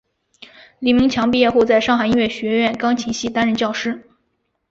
李名强毕业后在上海音乐学院钢琴系担任教师。